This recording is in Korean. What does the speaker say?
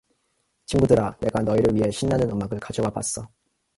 친구들아, 내가 너희를 위해 신나는 음악을 가져와 봤어.